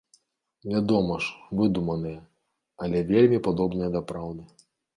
Вядома ж, выдуманыя, але вельмі падобныя да праўды.